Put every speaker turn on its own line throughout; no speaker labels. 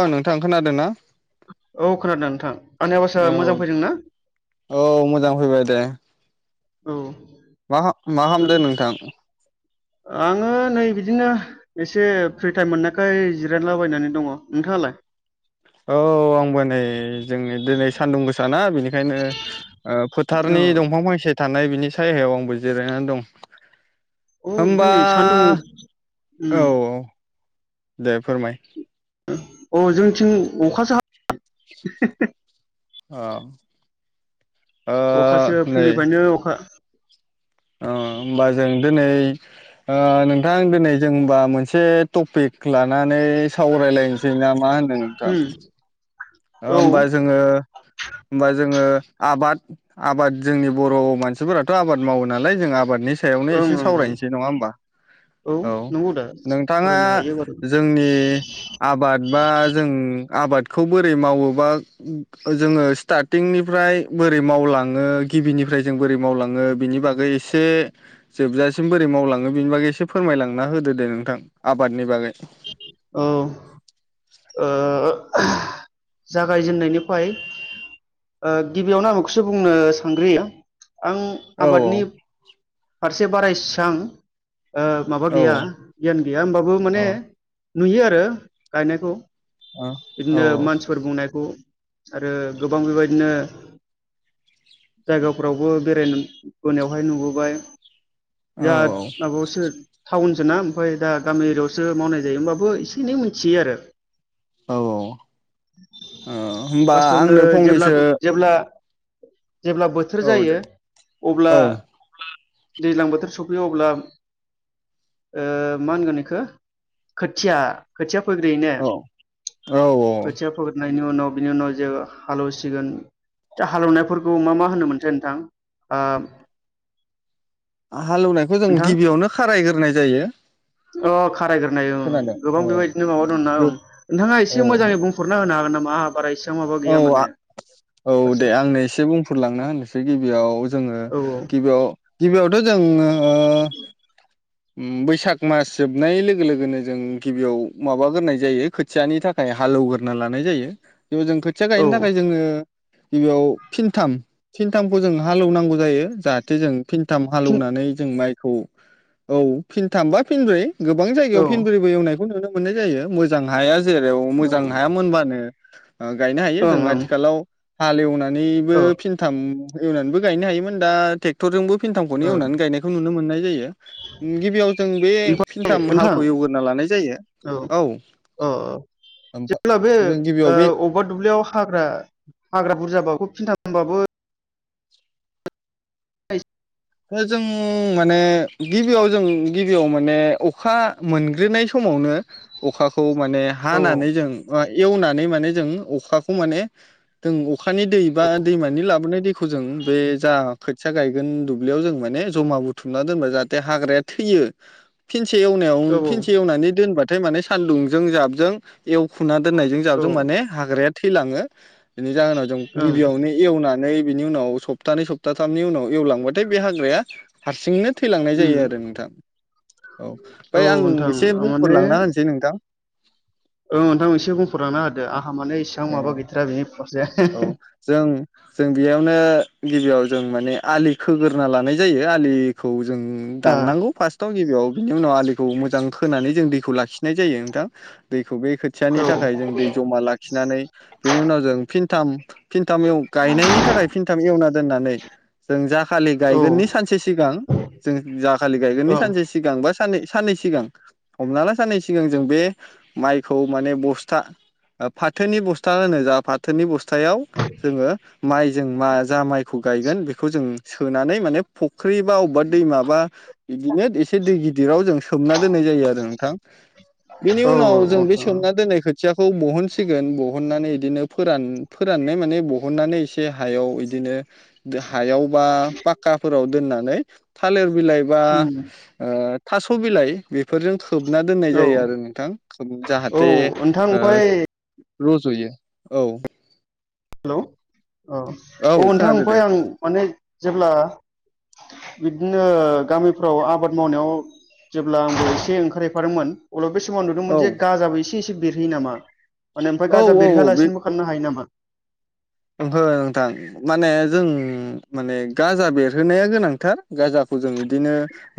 औ नोंथां खोनादों ना
औ खोनादों नोंथां आंनि आवासा
औ
मोजां फैदों ना
औ मोजां फैबाय दे ।
औ ।
मा मा खामदो नोंथां?
आंङो नै बिदिनो एसे फ्रि टाइम मोननायखाय जिरायलाबायनानै दङ । नोंथाङालाय?
औ आंबो नै जोंनि दिनै सानदुं गोसाना बेनिखायनो ओ
औ
फोथारनि दंफां फांसे थानाय बिनि सायायाव आंबो जिरायनानै दं ।
औ
होमबा
दिनै सान्दुं
औ
उम
औ । दे फोरमाय ।
अ जोंनिथिं अखासो हा [unintelligible]
अ ।
अखासो फुंनिफ्रायनो अखा
अ होमबा जों दोनै [inaudible] ओ नोंथां दिनै जों ओमबा मोनसे टपिक लानानै सावरायलायनोसै ना मा होनो नोंथां?
उम
ओ
औ ओं
ओमबा जोङो ओमबा जोङो आ आबाद आबाद जोंनि बर' मानसिफोराथ आबाद मावो नालाय जों आबादनि सायाव सायावनो
ओं
एसे
ओं
सावरायनोसै नङा होमबा औ
नंगौ दा
नोंथाङा
सावरायनो हायो बारु
जोंनि आबाद बा जों आबाद बोरै मावोबा जोङो स्टारटिंनिफ्राय बोरै मावलाङो गिबिनिफ्राय जों बोरै मावलाङो बिनि बागै एसे जोबजासिम बोरै मावलाङो बिनि बागै एसे फोरमायलांना होदो दे नोंथां आबादनि बागै ।
औ । ओ जागायजेननायनिफाय ओ गिबियावनो आं बेखौसो बुंनो सानग्रोयो । आं
औ
आबादनि फारसे से बारा एसां ओ माबा गैया गियान गैया होमबाबो
औ
माने नुयो आरो गायनायखौ ।
ओ औ औ ।
खौ आरो गोबां बेबायदिनो जायगाफ्रावबो बेरायनो बोनायावहाय नुबोबाय ।
औ
बियाद
औ
माबायावसो टाउनसोना ओमफ्राय दा गामि एरियायावसो मावनाय जायो होनोमबाबो एसे एनै मिन्थियो आरो।
ओ होमबा
फार्स्टआवनो
आंनो
जेब्ला
फंनैसो
[inaudible] जेब्ला बोथोर
औ
जायो
दे
अब्ला।
औ
दैज्लां बोथोर सफैयो अब्ला ओ मा होनगोन इखो खोथिया खोथिया फोग्रोयो ने?
औ औ औ
खोथिया फोग्रोनायनि उनाव बिनि उनाव जे हालौसिगोन हालेवनायफोरखौ मा मा होनोमोनथाय नोंथां आ?
हालौनायखौ जों गिबियावनो खारायग्रोनाय जायो।
अह खारायग्रोनाय ओं
खोनादों
गोबां
औ
बेबायदिनो माबा दंना ओं नोंथाङा एसे
औ
मोजाङै बुं। [unintelligible]
औ आ औ दे
फारसे
आंनो एसे बुंफोरलांना होनोसै गिबियाव जों ओ
औ
गिबियाव गिबियाव थ' जों ओ ओम बैसाग मास जोबनाय लोगो लोगोनो जों गिबियाव माबा गोरनाय जायो खोथियानि थाखाय हालौवग्रोना लानाय जायो [unintelligible] खोथिया
औ
गायनो थाखाय जोङो गिबियाव फिनथाम फिनथामखौ जों हालौनांगौ जायो जाहाथे जों फिनथाम
फिन
हालौनानै जों माइ औ-औ फिनथामबा फिनब्रै गोबां
औ
जायगायाव फिनब्रैबो एवनायखौ नुदों। मोननाय जायो मोजां हाया जेराव मोजां
ओं
हाया मोनबानो आं गायनो हायो जों
ओं
आथिखालाव हालेवना नैबो
औ
फिनथाम एवनानैबो गायनो हायोमोन दा टेक्टरजोंबो फिनथामखौनो
ओ
एवनानै गायनायखौ नुनो मोन्नाय जायो। गिबियाव जों बे
ओमफ्राय
फिनथाम
नोंथां
हालखौ एवगोरना लानाय जायो औ
अ जेब्ला बे
जों गिबियाव
ओ
बे
अबेबा दुब्लियाव हाग्रा हाग्रा बुरजाबाबो फिनथामबाबो [unintelligible]
दा जों माने गिबियाव जों गिबियाव माने अखा मोनग्रोनाय समावनो अखाखौ माने
औ
हानानै जों बा एवनानै माने जों अखाखौ माने जों अ अखानि दै बा दैमानि लाबोनाय दै खौ जों बे जा खोथिया गायगोन दु दुब्लियाव जों माने जमा बुथुमनानै दोनबाय जाहाथे हाग्राया थैयो फिन से
औ
एवनायाव फिनसे एवनानै दोनबा थाय माने सानदुंजों जाबजों एव खुना दोननायजों
औ
जाबजों माने हाग्राया थैलाङो। बेनि जाहोनाव जों
ओं
गिबियावनो एवना नै बिनि उनाव सप्तानै सप्ताथामनि उनाव एवलांबा थाय बे हाग्राया हारसिंनो थैलांनाय जायो
उम
आरो नोंथां औ
औ
ओमफ्राय आं
नोंथां
एसे बुंफोरलांना होनोसै नोंथां
ओं नोंथां एसे बुंफोरलांना होदो आंहा माने इसेबां
ओ
माबा गैथारा बेनि फारसे
औ जों जों बेयावनो गिबियाव जों माने आलि खोग्रोना लानाय जायो आलिखौ जों दाननांगौ फार्स्टआव गिबियाव बिनि उनाव आलिखौ मोजां खोनानै जों दैखौ लाखिनाय जायो नोंथां दै खौ बे खोथियानि
ओ
थाखाय जों दै जमा लाखिनानै बेनि उनाव जों फिन थाम फिनथामाव गायनायनि थाखाय फिनथाम एवना दोननानै जों जाखालि
औ
गायगोननि सानसे सिगां जों जाखालि
औ
गायगोननि
ओं
सानसे सिगां बा सान साननै सिगां हमना ला साननै सिगां जों बे माइखौ माने बस्था फाथोनि बस्था होनो जा फाथोनि बस थायाव जोङो माइजों मा जाय माइखौ गायगोन बेखौ जों सोनानै माने फ फुख्रि बा अबेबा दै मा बा बिदिनो एसे दै गिदिराव जों सोमना दोननाय जायो आरो नोंथां बेनि
औ
उनाव जों बे
नोंथां
सोमना दोननायखौ खोथियाखौ बहनसिगोन बहननानै इदिनो फोरान फोराननाय माने बहननानै एसे हायाव इदिनो हायाव बा पाक्काफोराव दोननानै थालिर बिलाइ बा
उम
ओ थास' बिलाइ बेफोरजों खोबना दोननाय
औ
जायो आरो नोंथां
औ
जाहाथे
नोंथां
ओ
ओमफ्राय
रज'यो औ।
हेलौ। औ औ नोंथां
खोनादो दे
फाय आं माने जेब्ला बिदिनो गामिफ्राव आबाद मावनायाव जेब्ला आंबो एसे ओंखारहैफादोंमोन अब्ला बे समाव
औ
नुदोंमोन जे गाजाबो एसे एसे एसे बेरहैयो नामा? माने ओमफ्राय
औ
गाजा
औ
बेरहोयालासिनोबो खालामनो हायो नामा?
ओंहो नोंथां माने जों माने गाजा बेरहोनाया गोनांथार गाजाखौ जों बिदिनो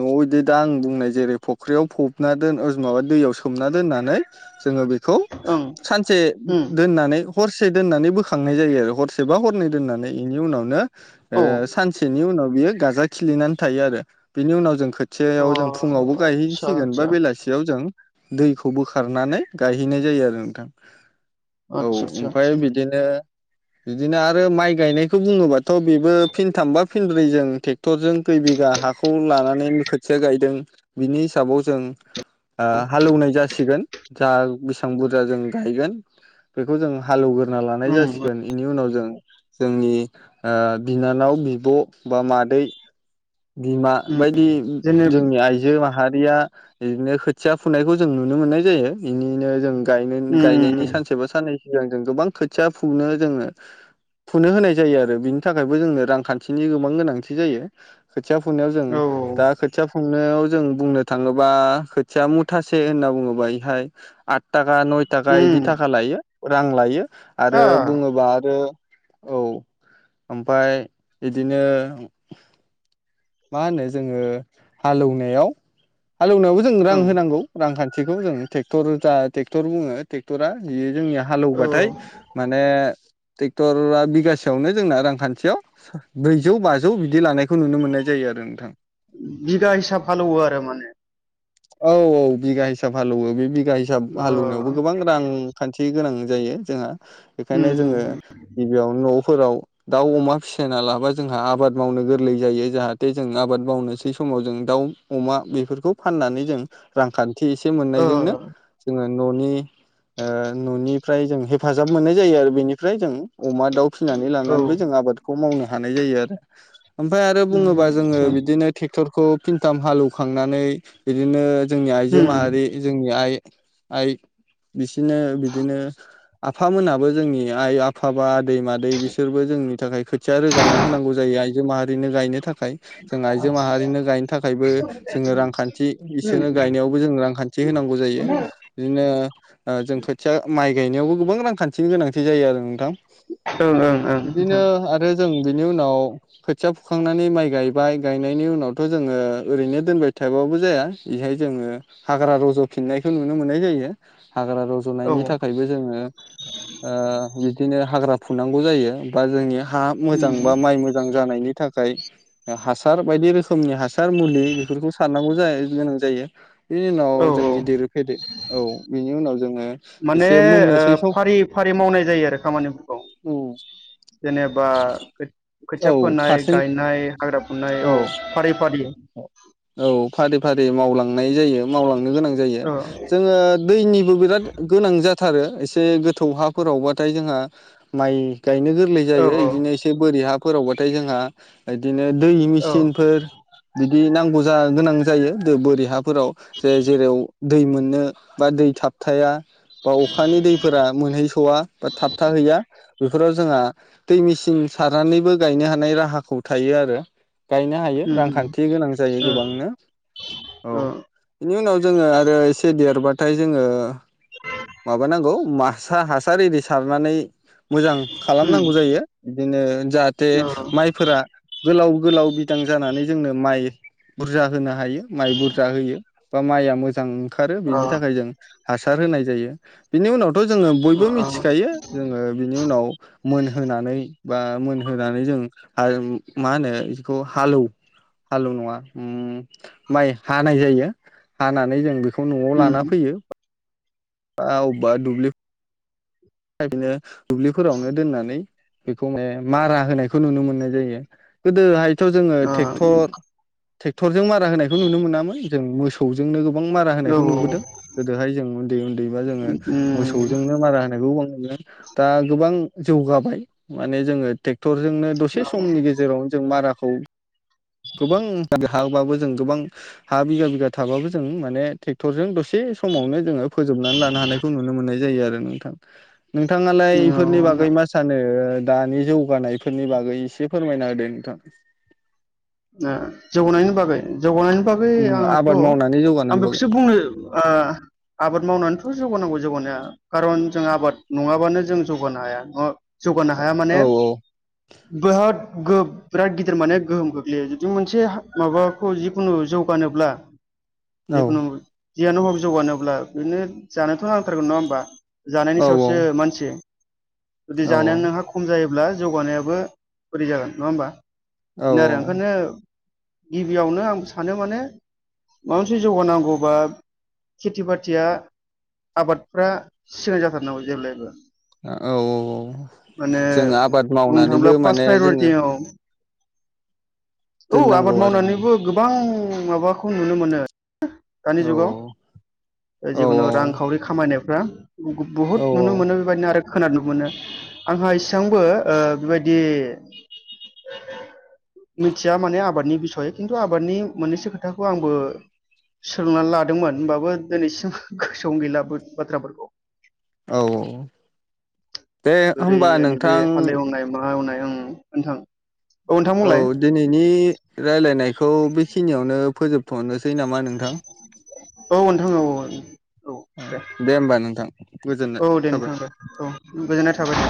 न'आव बिदि दा आं बुंनाय जेरै फुख्रियाव फबना दोन माबा दैयाव सोमना दोननानै जोङो बेखौ
ओं
सानसे
ओम
दोननानै हरसे दोननानै बोखाङो नाय जायो आरो हरसेबा हरनै दोननानै बेनि उनावनो ओ
औ
सानसेनि उनाव बेयो गाजा खिलिनानै थायो आरो बेनि उनाव जों
अ
खोथियाव जों फुङावबो
आदसा
गायहैसिगोन बा
आदसा
बेलासियाव जों दैखौ बोखारनानै गायहैनाय जायो आरो नोंथां। औ
आदसा आदसा
ओमफ्राय
आदसा
बिदिनो बिदिनो आरो माइ गायनायखौ बुङोबाथ' बेबो फिनथामबा फिनब्रै जों ट्रेक्टरजों खैइ बिगा हाखौ लानानै खोथिया गायदों बिनि हिसाबाव जों ओ हालेवनाय जासिगोन जा बेसबां बुरजा जों गायगोन बेखौ जों हालेवग्रो ग्रोना लानाय जासि
उम
बेनि उनाव जों जोंनि बिनानाव, बिब' बा मादै बिमा
उम
बायदि
जेने
जोंनि आइजो मा हारिया बिदिनो खोथिया फुनायखौ जों नुनो मोननाय जायो बेनिनो जों गायनायनि गायनायनि
उम
सानसेबा साननै सिगां जों गोबां खोथिया फुनो जोङो फुनो होनाय जायो आरो बिनि थाखायबो जोंनो रांखान्थिनि गोबां गोनांथि जायो। खोथिया फुनायाव जों
औ
दा खोथिया फुं फुनायाव जों बुंनो थाङोबा खोथिया मुथासे होनना बुङोबा एहाय आ थाखा, नय थाखा बिदि
उम
थाखा लायो। रां लायो। आरो
आ
बुङोब्ला आरो औ ओमफ्राय बिदिनो मा होनो जोङो हालेवनायाव हालेवनायावबो जों रां
ओं
होनांगौ रां खाथिखौ जों ट्रेक्टर जा ट्रेक्टर बुङो ट्रेक्टर जोंनिया
औ
हालेवबाथाय ऐ ट्रेक्टरा बिगासेयावनो जोंना रांखान्थियाव ब्रैजौ-बाजौ बिदि लानाय
बिगा हिसाब हालेवयो आरो माने
औ औ बिगा हिसाब हालवो बे बि हिसाब
अ
हालेवनायावबो गोबां रां खान्थि गोनां जायो जोंहा बेखायनो
उम
जोङो
उम
गिबियावनो न'आव फोराव दा- अमा फिसिना लाबा जोंहा आबाद मावनो गोरलै जायो जाहाथे जों आबाद मावनोसै समाव जों दाउ अमा बेफोरखौ फाननानै जों रांखान्थि थि एसे
अ
मोननायजोंनो जोङो न'नि ओ न'निफ्राय जों हेल्प जाब मोननाय जायो आ रो बेनिफ्राय जों अमा दाउ फिनानै
औ
लानानैबो जों आबादखौ मावनो हानाय जायो आरो ओमफ्राय आरो बुङोबा जोङो
आदसा
बिदिनो ट्रेक्टर खौ फिनथाम हालौखांनानै बिदिनो जोंनि आइजो
उम
माहारि जोंनि आइ आइ बिस दिनो बिदिनो आफामोनहाबो जोंनि आइ आफा बा दै मादै बिसोरबो जोंनि थाखाय खोथिया रोगाना होनांगौ जायो आइ जो माहारिनो गायनो थाख खाय जों आइजो माहारिनो गायनो थाखायबो जोङो रांखान्थि इसोरनो
उम
गायनायावबो जों रांखान्थि होनांगौ जायो बिदिनो जों खोथिया माइ गायनायावबो गु बां रांखान्थिनि गोनांथि जायो आरो नोंथां
ओं ओं ओं
बिदिनो
नोंथां
आरो जों बिनि उनाव खोथिया फुखांनानै माइ गायबाय गायनायनि उनावथ' जोङो ओरैनो दोनबाय थाबाबो जाया बेहाय जोङो हाग्रा रज'फिननायखौ नुनो मोननाय जायो हाग्रा
औ
रज'नायनि थाखायबो जोङो आ बिदिनो हाग्रा फुनांगौ जायो बा जोंनि हा मोजां
उम
बा माइ मोजां जानायनि थाखाय हासा सार बायदि रोखोमनि हासार मुलि बेफोरखौ सारनांगौ जा गोनां जायो बि उनाव
औ
जों गिदिर फेदे औ बिनि उनाव जोङो
माने
एसे
ओ
मोननोसै सम
फारि फारि मावनाय जायो आरो खामानिफोरखौ जेनेबा
औ
खोथिया फोनाय
फारसेन
गायनाय हाग्रा फुनाय औ फारि फारि
औ फारि फारि मावलां नाय जायो मावलांनो गोनां जायो
औ
जोङो दैनिबो बिराद गोनां जा थारो एस से गोथौ हाफोरावबाथाय जोंहा माइ गायनो गोरलै
औ
जायो बिदिनो
औ
एसे बोरि हा फोरावबाथाय जोंहा इदि नो दै
औ
मेसिनफोर [unintelligible] बि नांगौ जा गोनां जायो बो बोरि हा फोराव जे जेराव दै मोननो बा दै थाबथाया बा अखानि फोरा मोनहैस'वा बा थाबथाहैया। बेफोराव जोंहा दै मेचिन सारनानैबो गायनो हानाय राहाखौ थायो आरो। गायनो हायो रांखान्थि गोनां जायो गोबांनो औ बेनि उनाव। जोङो आरो एसे देरबाथाय जोङो माबानांगौ। मा सा हासार एरै सारनानै मोजां खालामनांगौ जायो बिदिनो जाहाथे माइफोरा गोलाव-गोलाव बिदां जानानै जोंनो माइ बुरजा होना हायो माइ बुरजा होयो। बा माइया मोजां। खारो बेनि थाखाय जों हासार होनाय जायो बिनि उनाव। थ' जोङो बयबो मिथिखायो जोङो बिनि उनाव मोनहोनानै। बा मोनहोनानै जों आरो मा होनो बेखौ हालौ हालौ नङा अम। माइ हानाय जायो। हानानै जों बे खौ न'आव लाना फैयो। बा अबबा दुब्लि ओरैनो दुब्लिफोरावनो दोननानै बेखौ ए मारा होनायखौ नुनो मोननाय जायो गोदोहाय थ' जोङो ट्रेक्टर टेकट्ररजों मा रा होनायखौ नुनो मोनामोन। जों मोसौजोंनो गोबां मारा होनायखौ नुबोदों गोदोहाय जों उन्दै उन्दैबा जोङो मोसौजोंनो मारा होनायखौ दा गोबां जौगाबाय माने जोङो टे क्ट्ररजोंनो दसे समनि गेजेरावनो जों मारा खौ गोबां हाबाबो जों गोबां हा बिगा-बिगा थाबाबो जों माने ट्रेक्टरजों दसे दसे समावनो जोङो फोजोबनानै लानो हानायखौ नुनो मोननाय जायो आरो। नोंथां। नोंथाङालाय बेफोरनि बागै मा सानो? दानि जौगानायफोरनि बागै एसे फोरमायना होदों नोंथां।
ए जौगानायनि बागै। जौगानायनि बागै
उम
आंहाथ'
आबाद मावनानै
आं
जौगानायनि बागै
बेखौसो बुंनो ओ आबाद मावनानैथ' जौगानांगौ जौगानाया खारन जों आबाद नङाबानो जों जौगानो हाया नआ जौगानो हाया माने
औ
[unintelligible] गोहब बिराद गिदिर माने गोहोम गोग ग्लैयो जुदि मोनसे हा माबाखौ जिखुनु जौगानोब्ला
औ
जिखुनु जियानो हग जौगानोब्ला बेनो जानोथ' नांथारगोन नङा होमबा
औ
जानायनि सायावसो मानसि जुदि
औ
जानाया नोंहा खम जायो ब्ला जौगानायाबो बोरै जागोन नङा होमबा बेनो आरो
औ-औ
ओंखायनो गिबियावनो आं सानो माने माबा मोनसे जौगानांगौबा खेथि बाथिया आबादफ्रा सिगां जाथारनांगौ जेब्लायबो
औ-औ-औ
माने
जों आबाद
बुंनो थाङोब्ला
मावनानैबो
फार्स्ट
माने जोङो
प्रायरिटि औ औ आबाद
दोननांगौ आरो
मावनानैबो
औ
गोबां ओं माबाखौ नुनो मोनो दानि जुगाव ओ
औ
जिखुनु रांखावरि खामायनायाव फ्रा बहुत
औ
नुनो मोनो बेबायदिनो आरो खोनानो मोनो आंहा इसेआंबो ओ बेबायदि मिथिया माने आबादनि बिसय खिन्थु आबादनि मोननैसो खोथाखौ आंबो सोलोंनानै लादोंमोन होमबाबो दिनैसिम गोसोआवनो गैला बोथ बाथ्राफोरखौ
औ-औ-औ
बोरैै आ नैबे हालेवनाय मा एवनाय आं नोंथां नोंथां
औ
बुंलाय
दिनैनि रायलायनायखौ बेखिनियावनो फोजोबथ'नोस सै नामा नोंथां
औ नोंथां औ-औ
ओ दे होमबा नोंथां गोजोननाय
औ दे
थाबाय।
नोंथां दे औ गोजोननाय थाबाय